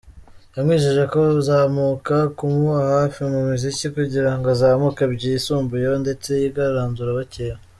Yamwijeje kuzakomeza kumuba hafi mu muziki kugira ngo azamuka byisumbuyeho ndetse yigaranzure abakeba.